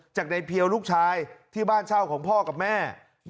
จากในเพียวลูกชายที่บ้านเช่าของพ่อกับแม่